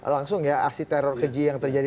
langsung ya aksi teror keji yang terjadi